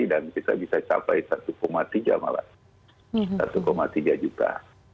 dan kita bisa capai satu tiga juta